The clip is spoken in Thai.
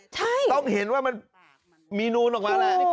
ต้องเห็นว่ามันมีนูนออกมาแล้ว